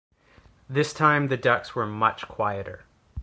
This time the ducks were much quieter.